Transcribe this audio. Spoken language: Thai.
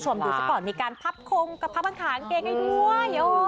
ก่อนมีการพับขุมก็พับข้างเกรงให้ด้วย